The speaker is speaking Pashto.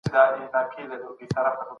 که ته مرسته وکړې، ټولنه پياوړې کېږي.